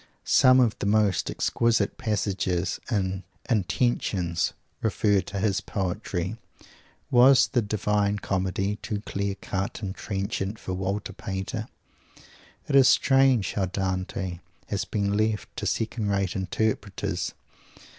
Some of the most exquisite passages in "Intentions" refer to his poetry. Was the "Divine Comedy" too clear cut and trenchant for Walter Pater? It is strange how Dante has been left to second rate interpreters!